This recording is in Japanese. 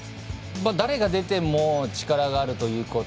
誰が出ても力があるということ。